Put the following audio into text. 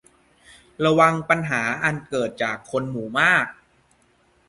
ระวังปัญหาอันเกิดจากคนหมู่มาก